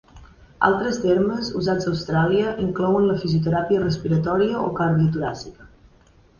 Altres termes, usats a Austràlia, inclouen la fisioteràpia respiratòria o cardio-toràcica.